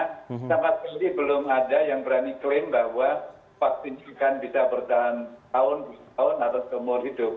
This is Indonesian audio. tampaknya belum ada yang berani klaim bahwa vaksin ini bisa bertahan satu tahun dua tahun atau seumur hidup